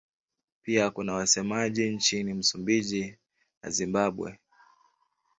Pia kuna wasemaji nchini Msumbiji na Zimbabwe.